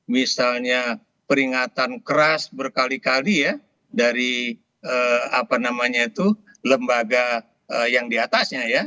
misalnya peringatan keras berkali kali ya dari lembaga yang diatasnya ya